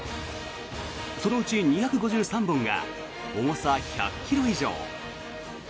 そのうち２５３本が重さ１００ｋｇ以上。